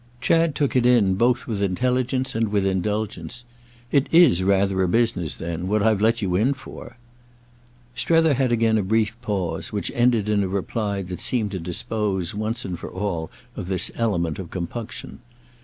Chad took it in both with intelligence and with indulgence. "It is rather a business then—what I've let you in for!" Strether had again a brief pause; which ended in a reply that seemed to dispose once for all of this element of compunction.